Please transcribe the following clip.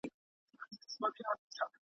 دایمی به یې وي برخه له ژوندونه!!